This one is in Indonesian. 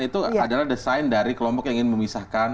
itu adalah desain dari kelompok yang ingin memisahkan